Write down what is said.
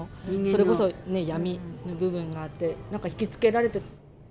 それこそね闇の部分があって何かひきつけられて。